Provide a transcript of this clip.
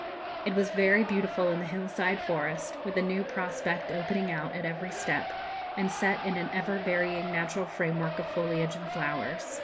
It was very beautiful in the hill side forest, with a new prospect opening out at every step, and set in an ever varying natural framework of foliage and flowers.